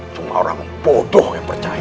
cuma orang bodoh yang percaya